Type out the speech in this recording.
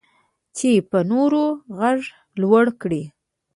چې په نورو غږ لوړ کړي.